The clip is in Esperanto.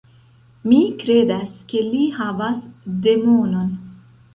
Mi kredas ke li havas demonon.